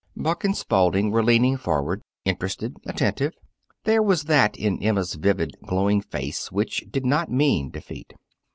Buck and Spalding were leaning forward, interested, attentive. There was that in Emma's vivid, glowing face which did not mean defeat.